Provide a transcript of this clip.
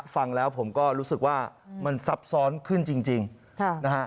ฟังแล้วผมก็รู้สึกว่ามันซับซ้อนขึ้นจริงนะฮะ